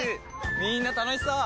みんな楽しそう！